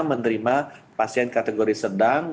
menerima pasien kategori sedang